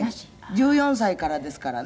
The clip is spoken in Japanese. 「１４歳からですからね」